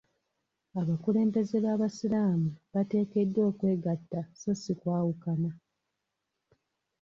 Abakulembeze b'abasiraamu bateekeddwa okwegatta so si kwawukana.